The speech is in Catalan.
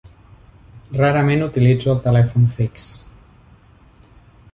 Rarament utilitzo el telèfon fix.